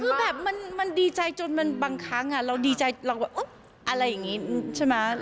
คือแบบมันดีใจจนมันบางครั้งเราดีใจเราแบบอะไรอย่างนี้ใช่ไหม